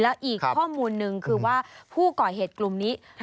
แล้วอีกข้อมูลหนึ่งคือว่าผู้ก่อเหตุกลุ่มนี้